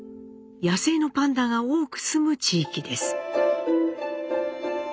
野生のパンダが多く住む地域です。